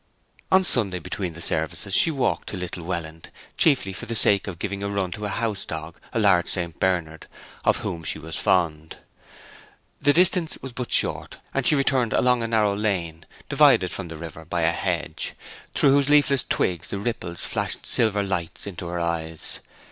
On Sunday, between the services, she walked to Little Welland, chiefly for the sake of giving a run to a house dog, a large St. Bernard, of whom she was fond. The distance was but short; and she returned along a narrow lane, divided from the river by a hedge, through whose leafless twigs the ripples flashed silver lights into her eyes.